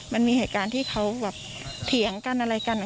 มันมีเหตุการณ์ที่เขาแบบเถียงกันอะไรกัน